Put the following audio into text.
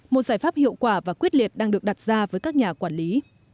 một giải pháp hiệu quả và quyết liệt đang được đặt ra với các nhà quản lý